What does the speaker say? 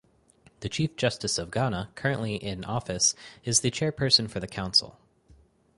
The Chief Justice of Ghana currently in office is the chairperson for the Council.